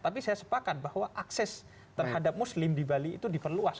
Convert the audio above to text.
tapi saya sepakat bahwa akses terhadap muslim di bali itu diperluas